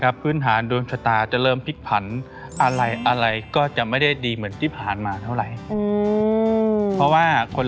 อุ๊ยอุ๊ยอุ๊ยอุ๊ยอุ๊ยอุ๊ยอุ๊ยอุ๊ยอุ๊ยอุ๊ยอุ๊ยอุ๊ยอุ๊ยอุ๊ยอุ๊ยอุ๊ยอุ๊ยอุ๊ยอุ๊ยอุ๊ยอุ๊ย